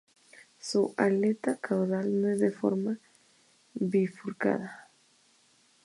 Su aleta caudal es de forma bifurcada.